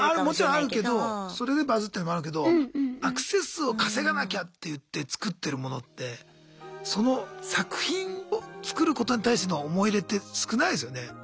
もちろんあるけどそれでバズってるのもあるけどアクセス数を稼がなきゃっていって作ってるものってその作品を作ることに対しての思い入れって少ないですよね？